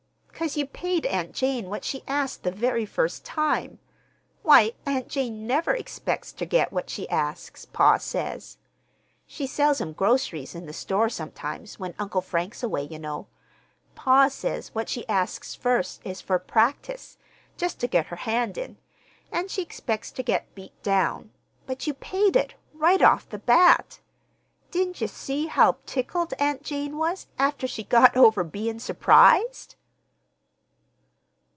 "'Cause you paid Aunt Jane what she asked the very first time. Why, Aunt Jane never expects ter get what she asks, pa says. She sells him groceries in the store, sometimes, when Uncle Frank's away, ye know. Pa says what she asks first is for practice—just ter get her hand in; an' she expects ter get beat down. But you paid it, right off the bat. Didn't ye see how tickled Aunt Jane was, after she'd got over bein' surprised?"